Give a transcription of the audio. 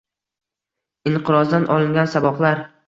Inqirozdan olingan saboqlar